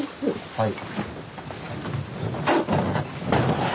はい。